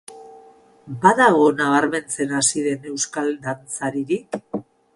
Badago nabarmentzen hasi den euskal dantzaririk?